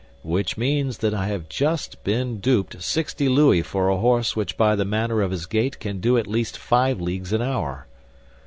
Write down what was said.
"Which means that I have just been duped—sixty louis for a horse which by the manner of his gait can do at least five leagues an hour."